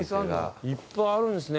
いっぱいあるんですね